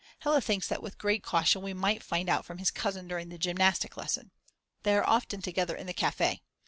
Hella thinks that with great caution we might find out from his cousin during the gymnastic lesson. They are often together in the Cafe.